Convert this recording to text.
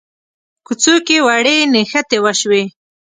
کوڅو کې وړې نښتې وشوې.